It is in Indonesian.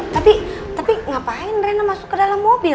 tapi ngapain rena masuk ke dalam mobil